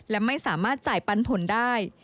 และไม่สามารถจ่ายปันผลได้